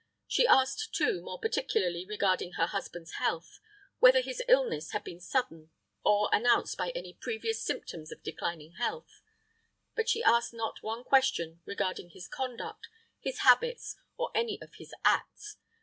She asked, too, more particularly regarding her husband's health, whether his illness had been sudden, or announced by any previous symptoms of declining health; but she asked not one question regarding his conduct, his habits, or any of his acts.